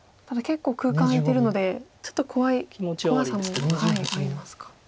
ただ結構空間空いてるのでちょっと怖い怖さもありますか。